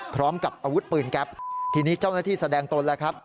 พร้อมกับอาวุธปืนแก๊ปทีนี้เจ้าหน้าที่แสดงตนแล้วครับ